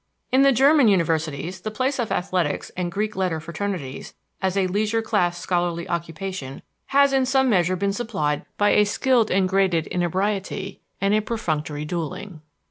In the German universities the place of athletics and Greek letter fraternities, as a leisure class scholarly occupation, has in some measure been supplied by a skilled and graded inebriety and a perfunctory duelling.